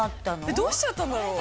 どうしちゃったんだろう？